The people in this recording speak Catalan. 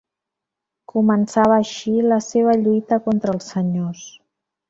Començava així la seva lluita contra els senyors.